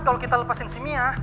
kalau kita lepasin si mia